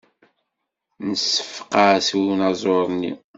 Nseffeq-as i unaẓur-nni.